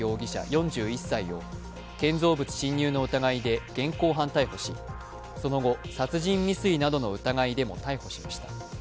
４１歳を建造物侵入の疑いで現行犯逮捕しその後、殺人未遂などの疑いでも逮捕しました。